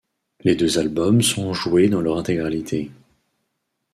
Les deux albums sont joués dans leur intégralité.